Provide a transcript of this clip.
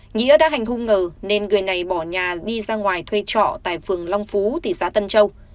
nghĩa đã hành hung ngờ nên người này bỏ nhà đi ra ngoài thuê trọ tại phường long phú thị xã tân châu